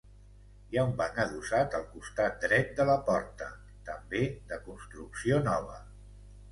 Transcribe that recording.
Hi ha un banc adossat al costat dret de la porta, també de construcció nova.